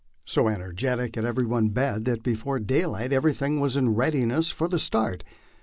So energetic had everybody been that before daylight everything was in readiness for the start.